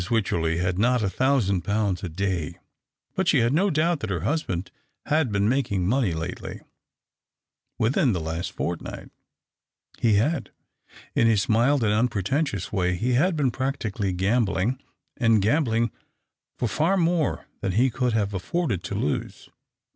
Wycherley had not a thousand pounds a day, but she had no doubt that her husband had been making money lately — within the last fortnight. He had. In his mild and unpretentious way he had been practically Camljlino;, and oamblino for far more than he could have afforded to lose.